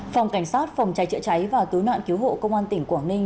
phòng cảnh sát phòng trái trịa trái và cứu nạn cứu hộ công an tỉnh quảng ninh